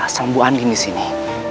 asal bu andi disini